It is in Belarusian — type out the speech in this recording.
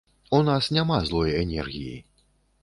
У нас няма злой энергіі.